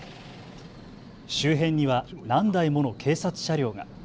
周辺には何台もの警察車両が。